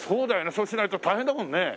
そうしないと大変だもんね。